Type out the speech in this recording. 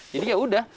jadi ya udah